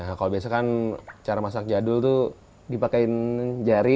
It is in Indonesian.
kalau biasakan cara masak jadul tuh dipakein jari